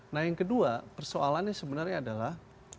nah yang kedua persoalannya sebenarnya adalah